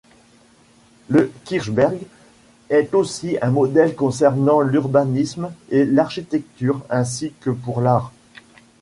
Le Kirchberg est aussi un modèle concernant l'urbanisme et l'architecture ainsi que pour l'art.